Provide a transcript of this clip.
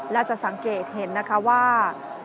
และจะสังเกตเห็นนะคะว่า